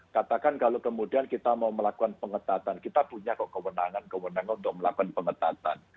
katakan kalau kemudian kita mau melakukan pengetatan kita punya kok kewenangan kewenangan untuk melakukan pengetatan